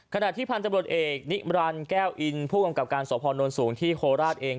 ขณะที่พันธุ์จับรถเอกนิรันดร์แก้วอินผู้กำกับการสวบพอร์โนลสูงที่โคลราชเอง